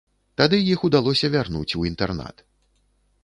Тады іх удалося вярнуць ў інтэрнат.